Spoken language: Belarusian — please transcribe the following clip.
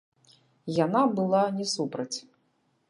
Яна была не супраць.